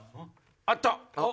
あった。